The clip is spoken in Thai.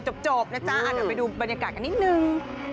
จบนะจ๊ะเดี๋ยวไปดูบรรยากาศกันนิดนึง